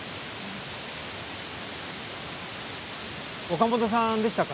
岡本さんでしたか？